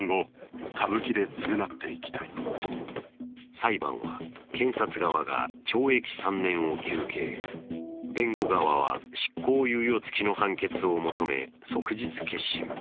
裁判は検察側が懲役３年を求刑、弁護側は執行猶予付きの判決を求め即日結審。